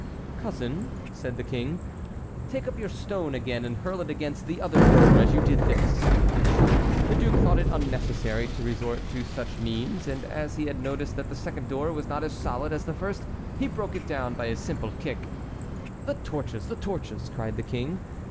"Cousin," said the King, "take up your stone again and hurl it against the other door as you did at this." The duke thought it unnecessary to resort to such means, and as he had noticed that the second door was not as solid as the first he broke it down by a simple kick. "The torches! the torches!" cried the King.